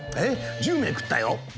１０枚食ったよ」。